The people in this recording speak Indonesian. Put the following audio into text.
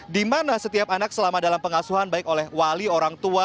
di mana setiap anak selama dalam pengasuhan baik oleh wali orang tua